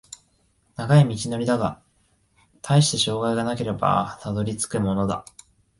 遠い道のりだが、たいした障害がなければたどり着くものだ